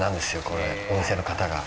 これお店の方が。